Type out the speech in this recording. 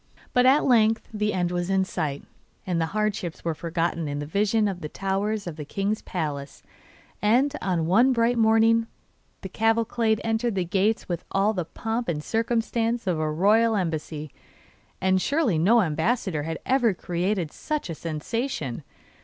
But at length the end was in sight, and the hardships were forgotten in the vision of the towers of the king's palace; and, one bright morning, the cavalcade entered the gates with all the pomp and circumstance of a royal embassy. And surely no ambassador had ever created such a sensation!